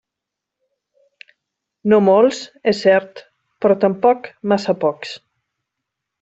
No molts, és cert, però tampoc massa pocs.